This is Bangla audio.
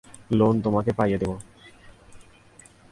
লোন তোমাকে পাইয়ে দিবো।